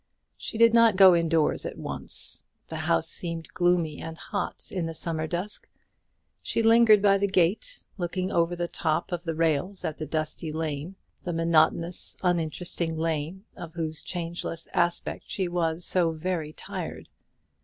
She did not go indoors at once; the house seemed gloomy and hot in the summer dusk. She lingered by the gate, looking over the top of the rails at the dusty lane, the monotonous uninteresting lane, of whose changeless aspect she was so very tired.